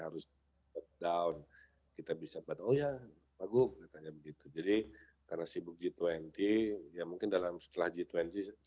harus down kita bisa oh ya bagus jadi karena sibuk g dua puluh ya mungkin dalam setelah g dua puluh sepuluh besarnya akan